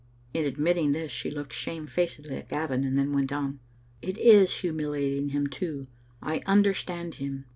In admitting this she looked shamefacedly at Gavin, and then went on :" It is humiliating him too. I understand him.